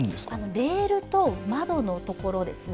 レールと窓のところですね。